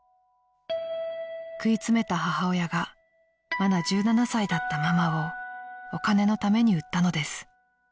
［食い詰めた母親がまだ１７歳だったママをお金のために売ったのです］